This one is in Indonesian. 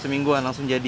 semingguan langsung jadi